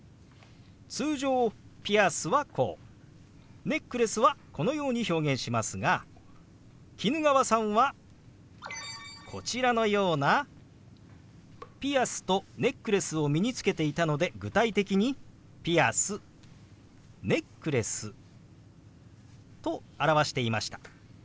通常「ピアス」はこう「ネックレス」はこのように表現しますが衣川さんはこちらのようなピアスとネックレスを身につけていたので具体的に「ピアス」「ネックレス」と表していました。